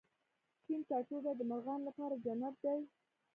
شین ټاټوبی د مرغانو لپاره جنت دی